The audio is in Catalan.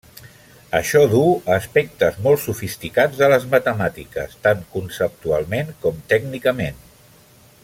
Això duu a aspectes molt sofisticats de les matemàtiques, tant conceptualment com tècnicament.